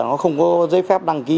nó không có giấy phép đăng ký